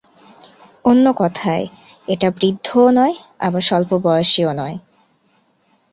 অন্য কথায়, এটা বৃদ্ধও নয়, আবার অল্প বয়সীও নয়।